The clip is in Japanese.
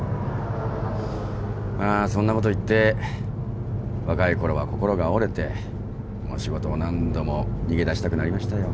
まあそんなこと言って若いころは心が折れてもう仕事を何度も逃げ出したくなりましたよ。